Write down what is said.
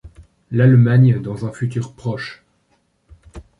L'Allemagne dans un futur proche.